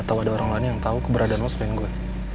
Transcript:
atau ada orang lain yang tau keberadaan lo selain gue